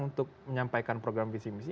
untuk menyampaikan program visi misi